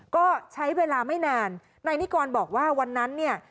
ก็ใช้เวลาไม่นานนายนิกรบอกว่าวันนั้นเนี่ย